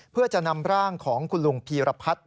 เพื่อจะนำร่างของคุณลุงพีรพัฒน์